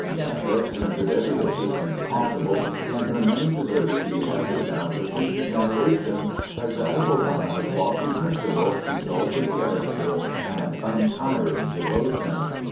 McGavock rendered every assistance possible and her name deserves to be handed down to future generations as that of a woman of lofty principle, exalted character and untiring devotion.